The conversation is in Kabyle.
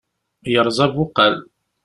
Yerẓa abuqal.